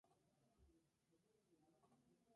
Se organizan torneos de dominó, petanca y ajedrez.